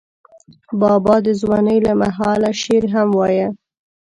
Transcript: بابا د ځوانۍ له مهاله شعر هم وایه.